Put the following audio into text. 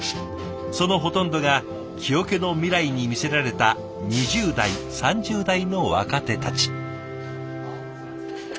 そのほとんどが木桶の未来に魅せられた２０代３０代の若手たち。